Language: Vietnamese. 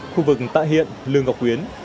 khu vực tại hiện lương ngọc quyến